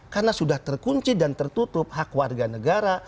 karena sudah terkunci dan tertutup hak warga negara